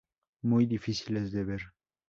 Muy difíciles de ver.